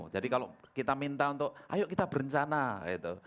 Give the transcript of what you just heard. jadi kalau kita minta untuk ayo kita berencana gitu